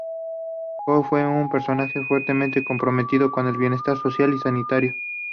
Coll fue un personaje fuertemente comprometido con el bienestar social y sanitario.